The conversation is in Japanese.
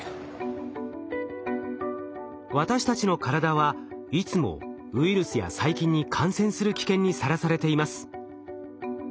私たちの体はいつもウイルスや細菌に感染する危険にさらされています。